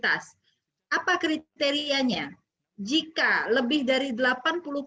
di dalam strategi pengendalian ada satu strategi pada klaster dan hampir semua negara sudah mengarahkan kepada klaster bukan transmisi komunitas